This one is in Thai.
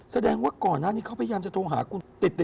แสดงว่าก่อนหน้านี้เขาพยายามจะโทรหาคุณติด